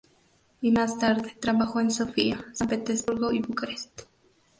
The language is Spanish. Y más tarde trabajó en Sofía, San Petersburgo y Bucarest.